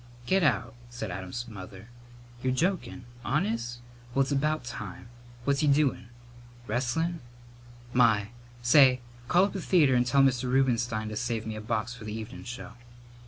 "Get out," said Adam's mother. "You're jokin'! ... Honest? Well, it's about time! What's he doin'? ... Wrestlin'? My! Say, call up the theatre and tell Mr. Rubenstein to save me a box for the evenin' show."